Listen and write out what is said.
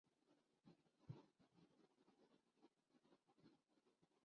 شاز و ناذر ہی شکایت کرتا ہوں